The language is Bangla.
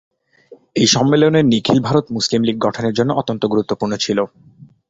এই সম্মেলন নিখিল ভারত মুসলিম লীগ গঠনের জন্য অত্যন্ত গুরুত্বপূর্ণ ছিল।